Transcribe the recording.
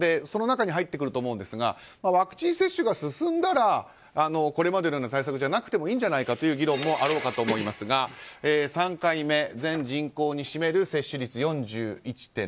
その中に入ってくると思いますがワクチン接種が進めばこれまでのような対策じゃなくてもいいんじゃないかという議論もあろうかと思いますが３回目、全人口に占める接種率４１．０％。